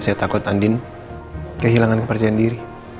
saya takut andin kehilangan kepercayaan diri